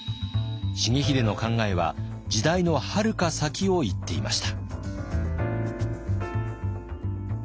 重秀の考えは時代のはるか先をいっていました。